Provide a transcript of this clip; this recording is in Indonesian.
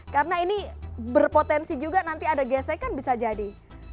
karena ini berpotensi juga nanti ada gesekan bisa jadi